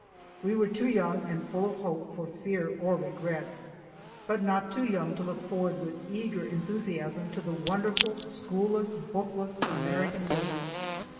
We were too young and full of hope for fear or regret, but not too young to look forward with eager enthusiasm to the wonderful schoolless bookless American wilderness.